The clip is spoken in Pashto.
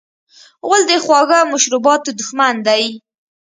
غول د خواږه مشروباتو دښمن دی.